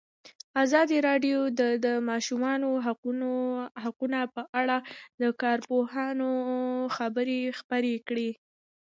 ازادي راډیو د د ماشومانو حقونه په اړه د کارپوهانو خبرې خپرې کړي.